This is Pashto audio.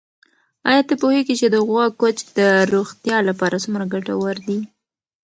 آیا ته پوهېږې چې د غوا کوچ د روغتیا لپاره څومره ګټور دی؟